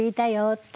って。